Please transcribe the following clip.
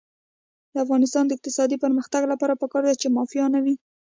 د افغانستان د اقتصادي پرمختګ لپاره پکار ده چې مافیا نه وي.